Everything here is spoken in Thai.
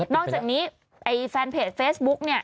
นอกจากนี้แฟนเพจเฟซบุ๊ก